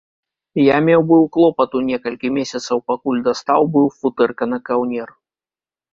Я меў быў клопату некалькі месяцаў, пакуль дастаў быў футэрка на каўнер.